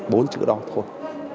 bốn chữ đó thôi